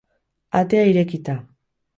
Atea irekita